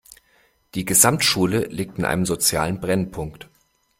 Die Gesamtschule liegt in einem sozialen Brennpunkt.